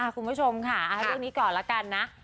คุณผู้ชมค่ะเรื่องนี้ก่อนละกันนะ